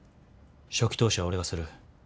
初期投資は俺がする。